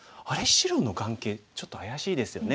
白の眼形ちょっと怪しいですよね。